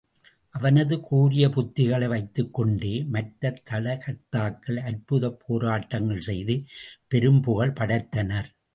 அவனது கூரிய யுத்திகளை வைத்துக் கொண்டே மற்றத் தளகர்த்தாக்கள் அற்புதப் போராட்டங்கள் செய்து பெரும் புகழ் படைத்தனர்.